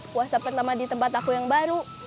puasa pertama di tempat aku yang baru